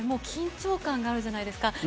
緊張感があるじゃないですか。